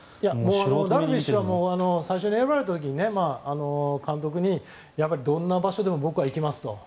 ダルビッシュは最初に選ばれた時に、監督にどんな場所でも僕は行きますと。